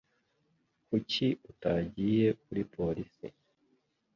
Kuki utagiye kuri polisi?